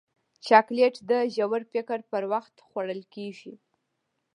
چاکلېټ د ژور فکر پر وخت خوړل کېږي.